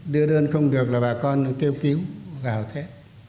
đưa đơn không được là bà con kêu cứu vào thế